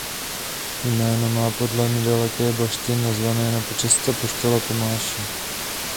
Jméno má podle nedaleké bašty nazvané na počest apoštola Tomáše.